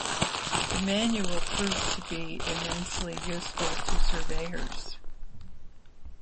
The Manual proved to be immensely useful to surveyors.